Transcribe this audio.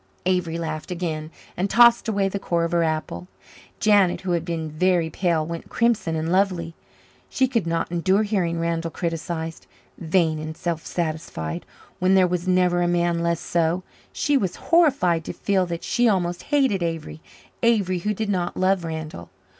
Avery laughed again, and tossed away the core of her apple. Janet, who had been very pale, went crimson and lovely. She could not endure hearing Randall criticized. "Vain and self satisfied" when there was never a man less so! She was horrified to feel that she almost hated Avery Avery who did not love Randall.